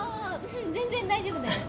全然大丈夫だよ。